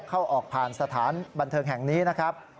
เข้าออกผ่านสถานบันเทิงแห่งนี้นะครับ